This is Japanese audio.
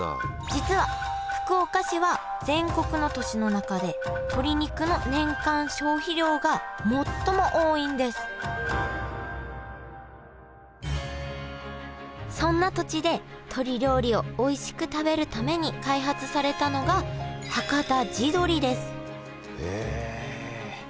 実は福岡市は全国の都市の中で鶏肉の年間消費量が最も多いんですそんな土地で鶏料理をおいしく食べるために開発されたのがはかた地どりですへえ。